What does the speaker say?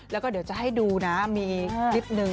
แล้วก็เดี๋ยวจะให้ดูนะมีอีกนิดนึง